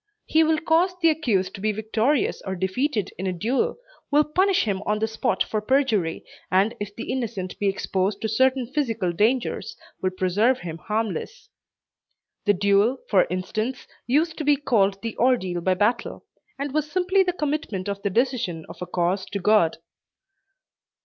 He will cause the accused to be victorious or defeated in a duel, will punish him on the spot for perjury, and if the innocent be exposed to certain physical dangers, will preserve him harmless. The duel, for instance, used to be called the "ordeal by battle," and was simply the commitment of the decision of a cause to God.